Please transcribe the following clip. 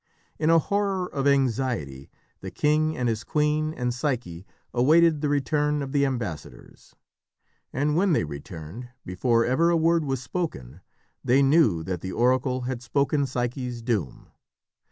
In a horror of anxiety the king and his queen and Psyche awaited the return of the ambassadors. And when they returned, before ever a word was spoken, they knew that the oracle had spoken Psyche's doom.